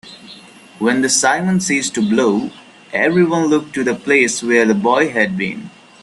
When the simum ceased to blow, everyone looked to the place where the boy had been.